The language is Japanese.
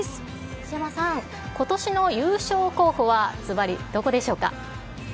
西山さん、ことしの優勝候補は、ずばり、どこでしょうか。